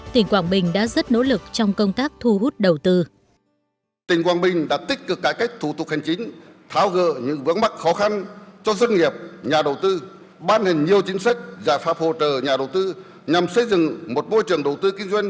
tỉnh quảng bình đã rất nỗ lực trong công tác thu hút đầu tư